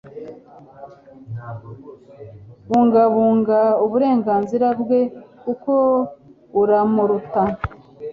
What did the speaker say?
bungabunga uburenganzira bwe kuko uramuruta